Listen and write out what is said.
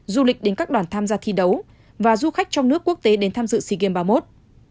du lịch đến các đoàn tham gia thi đấu và du khách trong nước quốc tế đến tham dự sea games ba mươi một